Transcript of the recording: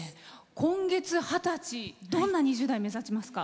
今月二十歳どんな２０代を目指しますか？